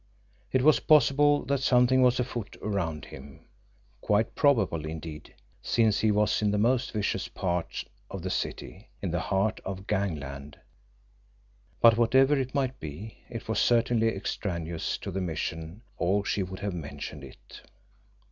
It was possible that something was afoot around him, quite probable, indeed, since he was in the most vicious part of the city, in the heart of gangland; but whatever it might be, it was certainly extraneous to his mission or she would have mentioned it.